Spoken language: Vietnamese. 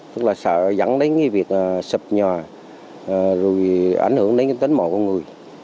tức là sợ dẫn đến cái việc sụp nhà rồi ảnh hưởng đến tính mọi người